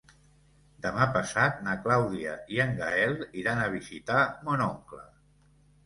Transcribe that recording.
Demà passat na Clàudia i en Gaël iran a visitar mon oncle.